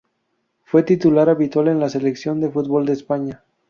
Fue titular habitual en la Selección de fútbol de España.